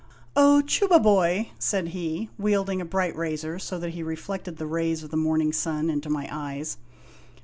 " O Chubaiboy !" said he, wielding a bright razor so that he re flected the rays of the morning sun into my eyes.